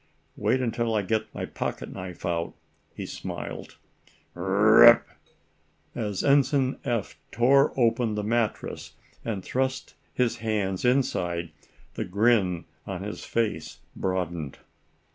"Wait until I get my pocket knife out," he smiled. Rip! r r r r rip! As Ensign Eph tore open the mattress and thrust his hands inside, the grin on his face broadened.